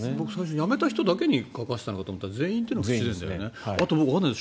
辞めた人だけに書かせたと思ったら全員というのは不自然だよね。